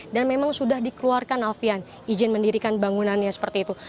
dan memang sudah dikeluarkan alfian izin mendirikan bangunannya seperti itu